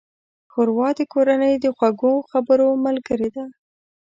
ښوروا د کورنۍ د خوږو خبرو ملګرې ده.